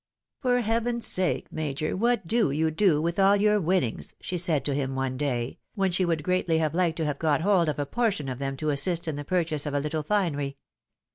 " For heaven's sake. Major ! what do you do with all your winnings? " she said to him one day, when she would greatly have hked to have got hold of a portion of them to assist in the purchase of a little finery.